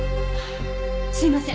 すいません。